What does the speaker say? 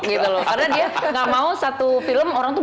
karena dia gak mau satu film orang tuh